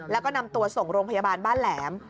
แล้วก็นำตัวส่งโรงพยาบาลบ้านแหลม